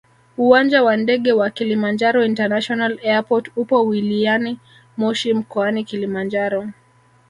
uwanja wa ndege wa kilimanjaro international airport upo wiliyani moshi mkoani Kilimanjaro